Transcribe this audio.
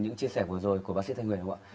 những chia sẻ vừa rồi của bác sĩ thanh huyền không ạ